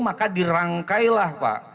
maka dirangkailah pak